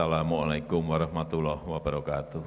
assalamu'alaikum warahmatullahi wabarakatuh